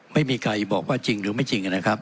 ไม่มีใครบอกว่าจริงหรือไม่จริงนะครับ